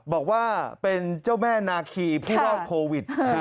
บอกว่าเป็นเจ้าแม่นาคีผู้รอดโควิด